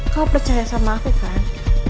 kau percaya sama aku kan